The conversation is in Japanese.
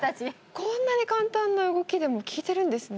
こんなに簡単な動きでも効いてるんですね